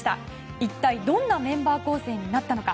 一体どんなメンバー構成になったのか。